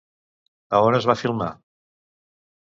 A on es va filmar?